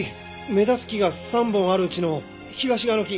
目立つ木が３本ある内の東側の木！